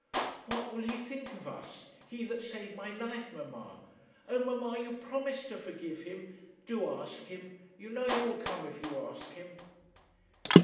'What will he think of us? he that saved my life, mamma! Oh, mamma! you promised to forgive him. Do ask him. You know he will come if you ask him.'